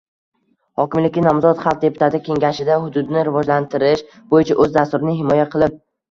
Hokimlikka nomzod xalq deputati Kengashida hududni rivojlantirish bo‘yicha o‘z dasturini himoya qilib